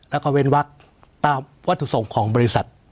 แล้วก็เว้นวักตามวัตถุส่งของบริษัท